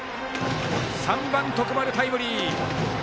３番、徳丸、タイムリー！